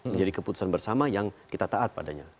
menjadi keputusan bersama yang kita taat padanya